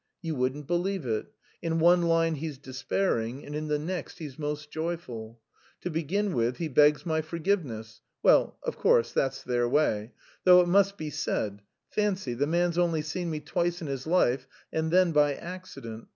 You wouldn't believe it; in one line he's despairing and in the next he's most joyful. To begin with he begs my forgiveness; well, of course, that's their way... though it must be said; fancy, the man's only seen me twice in his life and then by accident.